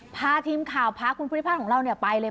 พาทีมข่าวพาคุณภูริพัฒน์ของเราไปเลย